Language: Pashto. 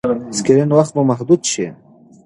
سکرین وخت به محدود شي.